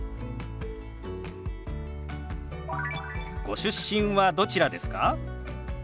ご出身はどちらですか？